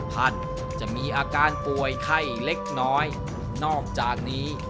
ท่านจะมีอาการป่วยไข้เล็กน้อยนอกจากนี้